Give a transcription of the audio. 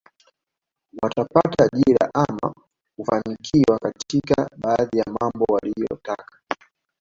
Watapata ajira ama kufanikiwa katika baadhi ya mambo waliyoyataka